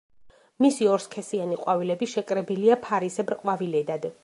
მისი ორსქესიანი ყვავილები შეკრებილია ფარისებრ ყვავილედად.